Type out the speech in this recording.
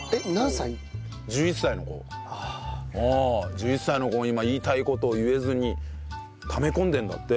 １１歳の子が今言いたい事を言えずにため込んでるんだって。